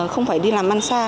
không phải đi làm ăn xa